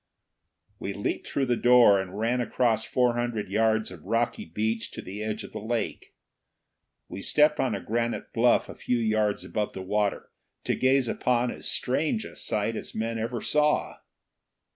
We leaped through the door and ran across four hundred yards of rocky beach to the edge of the lake. We stepped on a granite bluff a few yards above the water, to gaze upon as strange a sight as men ever saw.